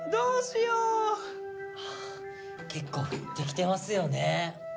結構降ってきてますよね。